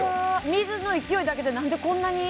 水の勢いだけでなんでこんなに？